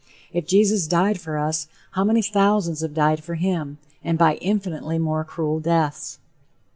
If Jesus died for us, how many thousands have died for him and by infinitely more cruel deaths?